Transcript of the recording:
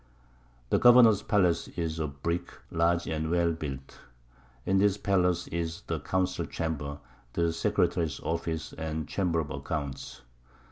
The Governour's Pallace is of Brick, large and well built. In this Pallace is the Council Chamber, the Secretary's Office and Chamber of Accounts.